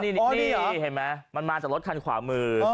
อ๋อนี่เห็นมั้ยมันมาจากรถคันขวามือ